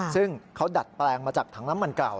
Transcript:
ซึ่งเขาดัดแปลงมาจากถังน้ำมันเก่า